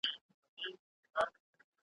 « اتفاق په پښتانه کي پیدا نه سو`